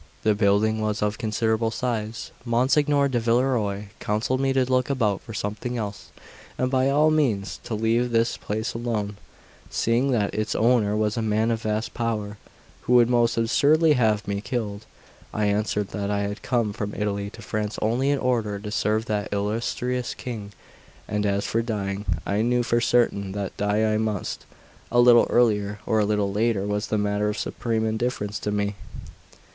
The building was of considerable size. Monsignor di Villerois counselled me to look about for something else, and by all means to leave this place alone, seeing that its owner was a man of vast power, who would most assuredly have me killed. I answered that I had come from Italy to France only in order to serve that illustrious King; and as for dying, I knew for certain that die I must; a little earlier or a little later was a matter of supreme indifference to me.